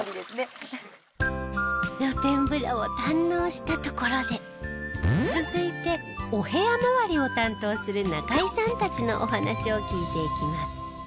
露天風呂を堪能したところで続いてお部屋周りを担当する仲居さんたちのお話を聞いていきます。